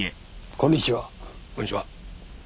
こんにちは。